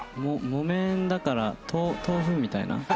木綿だから豆腐みたいな？